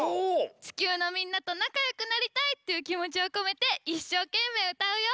ちきゅうのみんなとなかよくなりたいっていうきもちをこめていっしょうけんめいうたうよ！